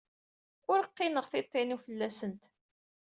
Ur qqineɣ tiṭ-inu fell-asent.